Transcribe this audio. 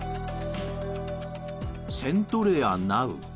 セントレアなぅ。